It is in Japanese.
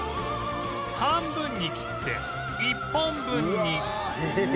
半分に切って１本分に